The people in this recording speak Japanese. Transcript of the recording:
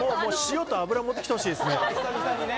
塩と油、持ってきてほしいですね。